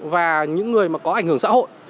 và những người mà có ảnh hưởng xã hội